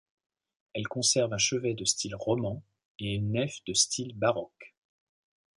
Elle conserve un chevet de style roman et une nef de style baroque.